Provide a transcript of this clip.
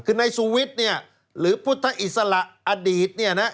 คือนายสุวิทย์เนี่ยหรือพุทธอิสระอดีตเนี่ยนะ